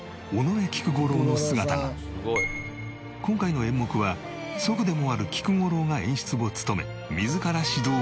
今回の演目は祖父でもある菊五郎が演出を務め自ら指導をしている。